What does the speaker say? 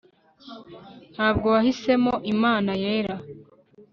ntabwo wahisemo imana yera